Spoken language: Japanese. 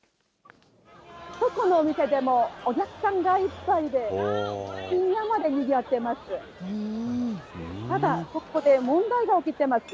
どこのお店でもお客さんがいっぱいで、深夜までにぎわっています。